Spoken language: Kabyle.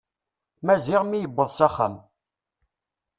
Maziɣ mi yewweḍ s axxam.